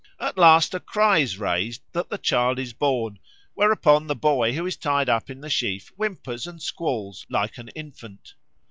At last a cry is raised that the child is born; whereupon the boy who is tied up in the sheaf whimpers and squalls like an infant.